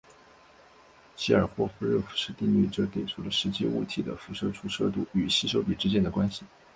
基尔霍夫热辐射定律则给出了实际物体的辐射出射度与吸收比之间的关系。